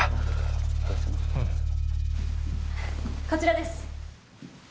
こちらです。